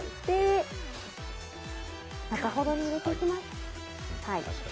いただいて、中ほどに入れていきます。